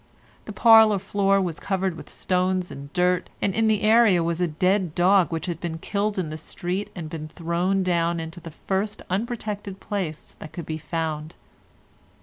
The parlour floor was covered with stones and dirt, and in the area was a dead dog which had been killed in the street and been thrown down into the first unprotected place that could be found.